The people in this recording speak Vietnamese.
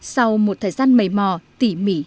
sau một thời gian mầy mò tỉ mỉ